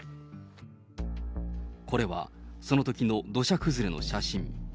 これは、そのときの土砂崩れの写真。